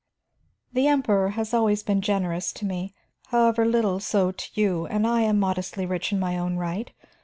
The Emperor has been generous to me, however little so to you, and I am modestly rich in my own right.